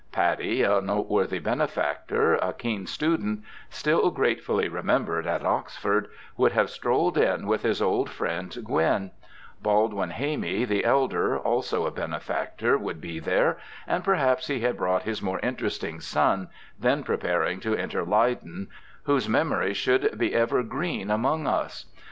Paddy, a noteworthy benefactor, a keen stu dent, still gratefully remembered at Oxford, would have strolled in with his old friend Gwinne ; Baldwin Hamey the elder, also a benefactor, would be there, and perhaps he had brought his more interesting son, then preparing to enter Leyden, whose memory should be ever green among us.